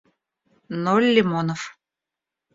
ноль лимонов